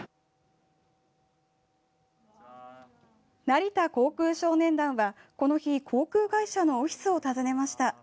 成田航空少年団は、この日航空会社のオフィスを訪ねました。